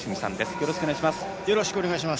よろしくお願いします。